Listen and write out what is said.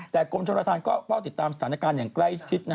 แต่กรมชนทานก็เฝ้าติดตามสถานการณ์อย่างใกล้ชิด